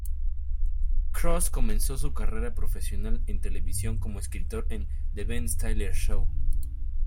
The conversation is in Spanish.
Cross comenzó su carrera profesional en televisión como escritor en "The Ben Stiller Show".